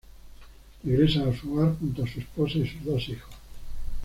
Regresan a su hogar junto a su esposa y sus dos hijos.